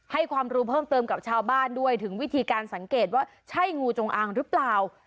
ให้ความรู้เพิ่มเติมกับชาวบ้านด้วยถึงวิธีการสังเกตว่าใช่งูจงอางหรือเปล่า